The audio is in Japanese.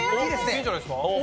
いいんじゃないですか？